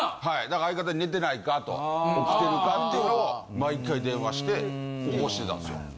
だから相方に寝てないか？と起きてるかっていうのを毎回電話して起こしてたんですよ。